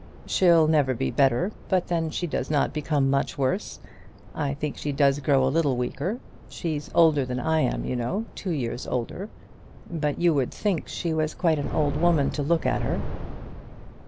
"She'll never be better. But then she does not become much worse. I think she does grow a little weaker. She's older than I am, you know, two years older; but you would think she was quite an old woman to look at her."